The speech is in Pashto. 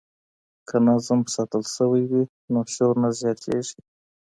که نظم ساتل سوی وي نو شور نه زیاتیږي.